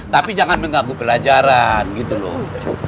tapi jangan mengganggu pelajaran gitu loh